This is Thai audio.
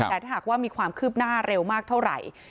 แต่ถ้าหากว่ามีความคืบหน้าเร็วมากเท่าไหร่